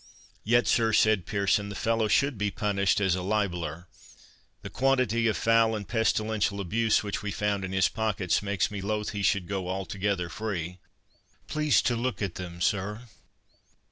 "Yet, sir," said Pearson, "the fellow should be punished as a libeller. The quantity of foul and pestilential abuse which we found in his pockets makes me loth he should go altogether free—Please to look at them, sir."